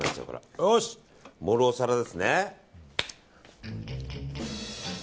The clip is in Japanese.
よし、盛るお皿ですね。